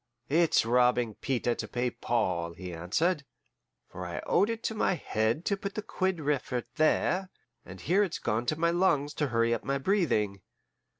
"It's robbing Peter to pay Paul," he answered; "for I owed it to my head to put the quid refert there, and here it's gone to my lungs to hurry up my breathing.